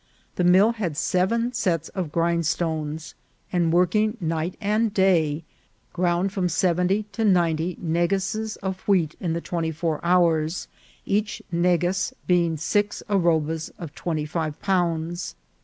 The mill had seven sets of grindstones, and working night and day, ground from seventy to ninety negases of wheat in the twenty four hours, each negas being six arobas of twenty five pounds.